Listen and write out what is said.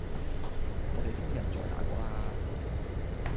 我哋聽日再打過啦